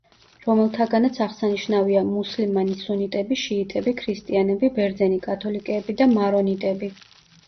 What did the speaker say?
რომელთაგანაც აღსანიშნავია: მუსლიმანი სუნიტები, შიიტები, ქრისტიანები, ბერძენი კათოლიკეები და მარონიტები.